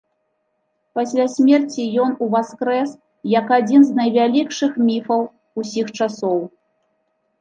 Пасля смерці ён уваскрэс як адзін з найвялікшых міфаў усіх часоў.